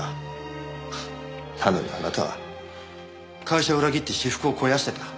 なのにあなたは会社を裏切って私腹を肥やしてた。